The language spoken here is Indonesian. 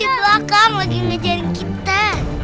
lakam lagi ngejarin kita